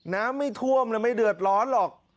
ไม่ท่วมแล้วไม่เดือดร้อนหรอก